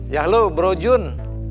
yah lo bro jun